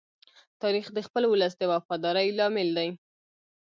تاریخ د خپل ولس د وفادارۍ لامل دی.